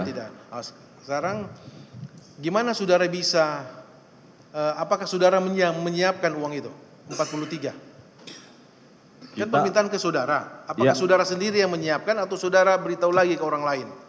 tidak ada tidak ada sekarang gimana saudara bisa apakah saudara menyiapkan uang itu empat puluh tiga juta kan permintaan ke saudara apakah saudara sendiri yang menyiapkan atau saudara beritahu lagi ke orang lain